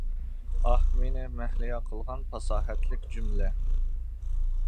ئاھ، مېنى مەھلىيا قىلغان پاساھەتلىك جۈملە!